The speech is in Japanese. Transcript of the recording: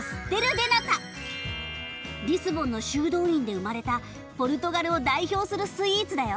リスボンの修道院で生まれたポルトガルを代表するスイーツだよ。